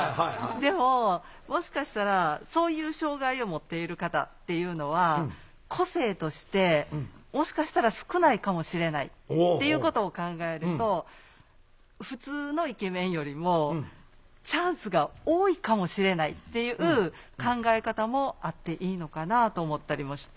でももしかしたらそういう障害をもっている方っていうのは個性としてもしかしたら少ないかもしれないっていうことを考えるとふつうのイケメンよりもチャンスが多いかもしれないっていう考え方もあっていいのかなと思ったりもして。